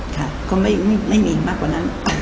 ค่ะก็ไม่มีมากกว่านั้น